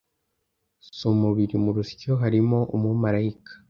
sumubiri murusyo harimo umumarayika